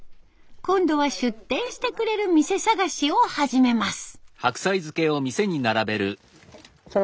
今度は出店してくれる店探しを始めます。